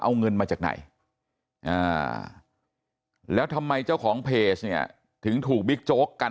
เอาเงินมาจากไหนแล้วทำไมเจ้าของเพจเนี่ยถึงถูกบิ๊กโจ๊กกัน